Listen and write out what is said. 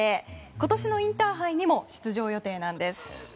今年のインターハイにも出場予定なんです。